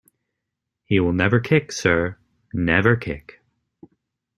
He will never kick, sir, never kick.